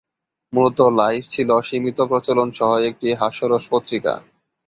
মূলত, লাইফ ছিল সীমিত প্রচলন সহ একটি হাস্যরস পত্রিকা।